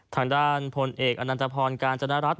ทางด้านผลเอกอนันทพรการจรรย์รัฐ